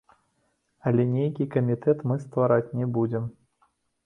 Але нейкі камітэт мы ствараць не будзем.